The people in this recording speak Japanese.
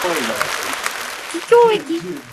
桔梗駅